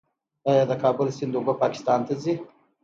آیا د کابل سیند اوبه پاکستان ته ځي؟